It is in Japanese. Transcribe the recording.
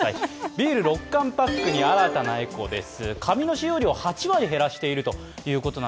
ビール６缶パックに新たなエコです。